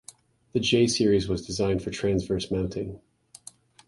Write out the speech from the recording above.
The J-series was designed for transverse mounting.